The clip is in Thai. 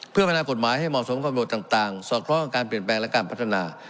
เพื่อพัฒนากฎหมายให้เหมาะสมกับบทต่างสอดคล้องกับการเปลี่ยนแปลงและการพัฒนา